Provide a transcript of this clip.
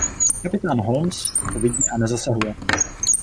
Kapitán Holmes to vidí a nezasahuje.